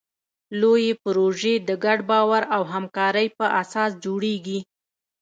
لویې پروژې د ګډ باور او همکارۍ په اساس جوړېږي.